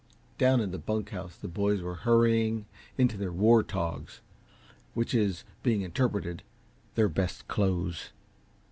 Down in the bunk house the boys were hurrying into their "war togs" which is, being interpreted, their best clothes.